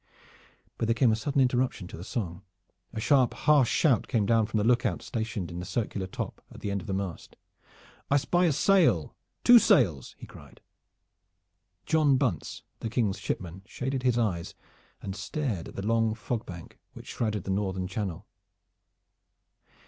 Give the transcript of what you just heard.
But there came a sudden interruption to the song. A sharp, harsh shout came down from the lookout stationed in the circular top at the end of the mast. "I spy a sail two sails!" he cried. John Bunce the King's shipman shaded his eyes and stared at the long fog bank which shrouded the northern channel.